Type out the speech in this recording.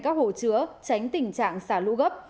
các hồ chứa tránh tình trạng xả lũ gấp